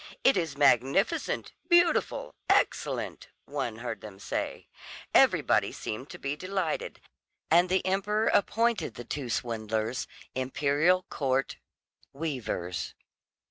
"It is magnificent, beautiful, excellent," one heard them say; everybody seemed to be delighted, and the emperor appointed the two swindlers "Imperial Court weavers."